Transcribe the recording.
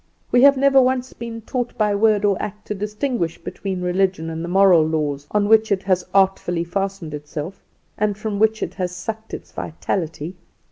"We have never once been taught by word or act to distinguish between religion and the moral laws on which it has artfully fastened itself, and from which it has sucked its vitality.